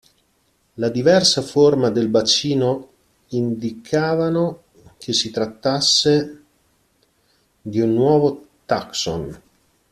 La diversa forma del bacino indicavano che si trattasse di un nuovo taxon.